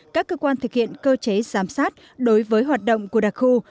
các cơ quan thực hiện cơ chế giám sát đối với hoạt động của đặc khu